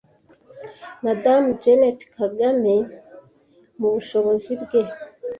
Madamu Jeannette Kagame mu bushobozi bwe,